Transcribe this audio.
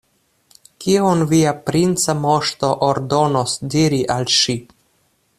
Kion via princa moŝto ordonos diri al ŝi?